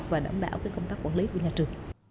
và đảm bảo công tác quản lý của nhà trường